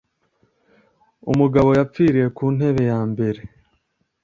umugabo yapfiriye ku ntebe ya mbere